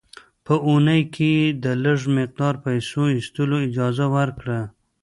په اونۍ کې یې د لږ مقدار پیسو ایستلو اجازه ورکړه.